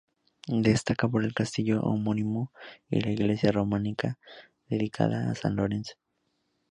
Destaca por el castillo homónimo y la iglesia románica dedicada a San Lorenzo.